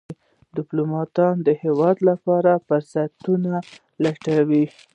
ډيپلومات د هېواد لپاره فرصتونه لټوي.